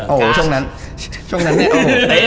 โอ้โหช่องนั้นเนี่ย